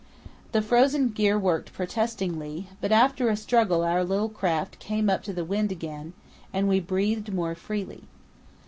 The frozen gear worked protestingly, but after a struggle our little craft came up to the wind again, and we breathed more freely.